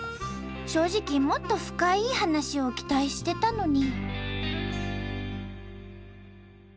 正直もっと深いい話を期待してたのに。